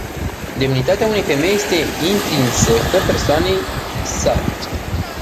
Demnitatea unei femei este intrinsecă persoanei sale.